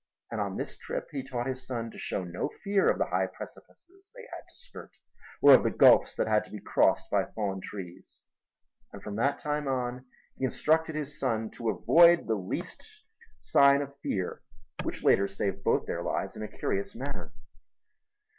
And on this trip he taught his son to show no fear of the high precipices they had to skirt or of the gulfs that had to be crossed by fallen trees. And from that time on he instructed his son to avoid the least sign of fear which later saved both their lives in a curious manner.